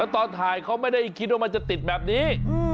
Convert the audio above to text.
ตอนถ่ายเขาไม่ได้คิดว่ามันจะติดแบบนี้